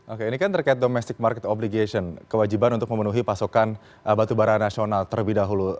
oke ini kan terkait domestic market obligation kewajiban untuk memenuhi pasokan batubara nasional terlebih dahulu